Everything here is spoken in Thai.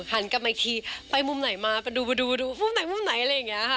หันกลับมาอีกทีไปมุมไหนมาดูไปดูดูมุมไหนมุมไหนอะไรอย่างนี้ค่ะ